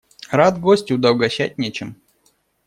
Рад гостю, да угощать нечем.